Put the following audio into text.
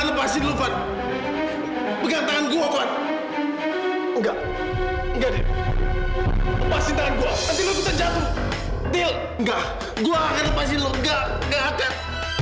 dil enggak gua gak akan lepasin lu enggak gak akan